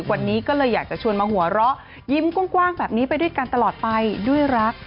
วันนี้ก็เลยอยากจะชวนมาหัวเราะยิ้มกว้างแบบนี้ไปด้วยกันตลอดไปด้วยรัก